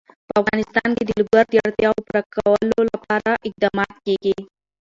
په افغانستان کې د لوگر د اړتیاوو پوره کولو لپاره اقدامات کېږي.